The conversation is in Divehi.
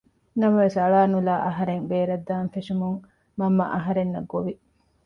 ނަމަވެސް އަޅަނުލައި އަހަރެން ބޭރަށްދާން ފެށުމުން މަންމަ އަހަރެންނަށް ގޮވި